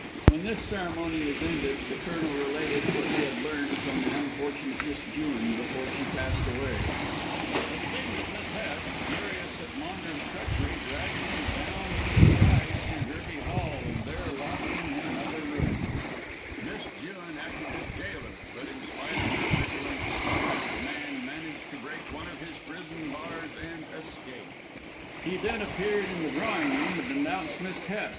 When this ceremony was ended, the Colonel related what he had learned from unfortunate Miss Jewin before she passed away. "I, dragged him down in disguise to Gerby Hall, and there locked him in an upper room. Miss Jewin acted as gaoler, but in spite of her vigilance the wretched man managed to break one of his prison bars and escape. He then appeared in the drawing room and denounced Miss Hest.